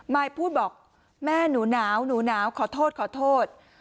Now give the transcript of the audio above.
มายพูดบอกแม่หนูหนาวหนูหนาวขอโทษขอโทษ